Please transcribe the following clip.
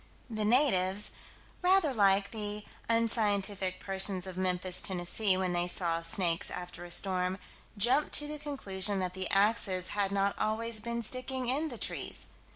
The natives, rather like the unscientific persons of Memphis, Tenn., when they saw snakes after a storm, jumped to the conclusion that the "axes" had not always been sticking in the trees.